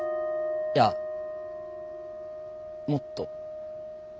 いやもっと。